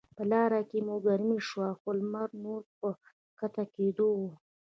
په لاره کې مو ګرمي شوه، خو لمر نور په کښته کیدو و.